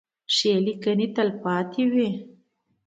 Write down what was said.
ښې لیکنې تلپاتې وي.